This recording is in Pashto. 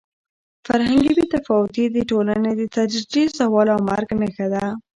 فرهنګي بې تفاوتي د ټولنې د تدریجي زوال او مرګ نښه ده.